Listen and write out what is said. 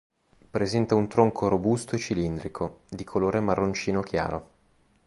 Presenta un tronco robusto e cilindrico, di colore marroncino chiaro.